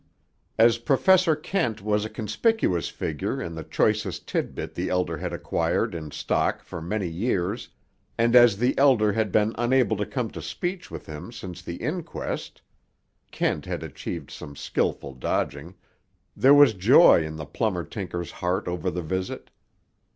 As Professor Kent was a conspicuous figure in the choicest titbit the Elder had acquired in stock for many years, and as the Elder had been unable to come to speech with him since the inquest (Kent had achieved some skilful dodging), there was joy in the plumber tinker's heart over the visit.